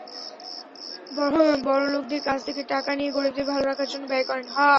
বড়লোকদের কাছ থেকে টাকা নিয়ে গরিবদের ভালো রাখার জন্য ব্যয় করেন।